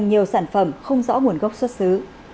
nhiều sản phẩm không rõ nguồn gốc xuất xứ